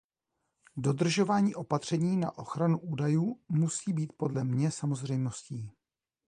Dodržování opatření na ochranu údajů musí být podle mě samozřejmostí.